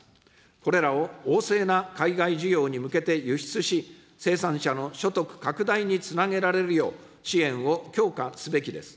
これらを旺盛な海外需要に向けて輸出し、生産者の所得拡大につなげられるよう、支援を強化すべきです。